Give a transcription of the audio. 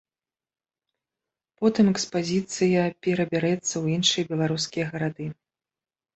Потым экспазіцыя перабярэцца ў іншыя беларускія гарады.